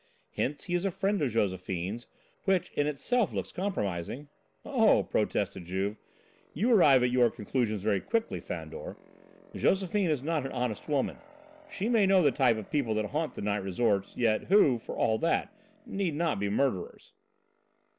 Hence he is a friend of Josephine's, which in itself looks compromising." "Oh!" protested Juve. "You arrive at your conclusions very quickly, Fandor. Josephine is not an honest woman. She may know the type of people that haunt the night resorts, yet who, for all that, need not be murderers."